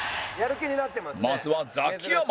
まずはザキヤマ